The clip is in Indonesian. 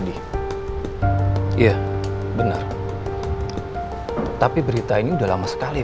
apa pas mendekat pas menjlara andre sama caw conclusion tommen hari ini